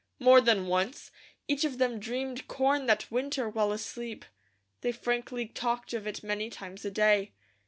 More than once, each of them dreamed corn that winter while asleep, they frankly talked of it many times a day.